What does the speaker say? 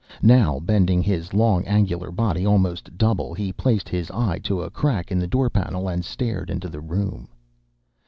Now, bending his long, angular body almost double, he placed his eye to a crack in the door panel and stared into the room.